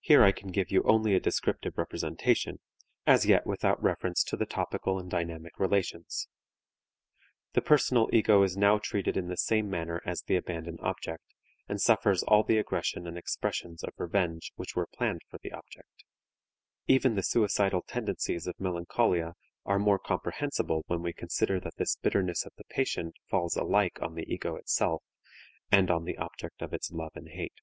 Here I can give you only a descriptive representation, as yet without reference to the topical and dynamic relations. The personal ego is now treated in the same manner as the abandoned object, and suffers all the aggression and expressions of revenge which were planned for the object. Even the suicidal tendencies of melancholia are more comprehensible when we consider that this bitterness of the patient falls alike on the ego itself and on the object of its love and hate.